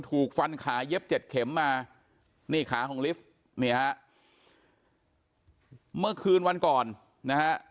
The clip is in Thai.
ถูกฟันขาเย็บเจ็ดเข็มมานี่ขาของลิฟต์เนี่ยฮะเมื่อคืนวันก่อนนะฮะ